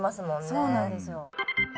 そうなんですよ。